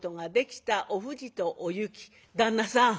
「旦那さん